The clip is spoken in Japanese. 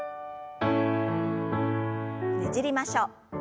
ねじりましょう。